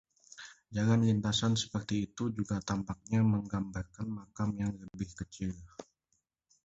Jalan lintasan seperti itu juga tampaknya menggambarkan makam yang lebih kecil.